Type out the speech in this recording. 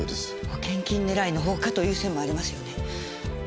保険金狙いの放火という線もありますよね。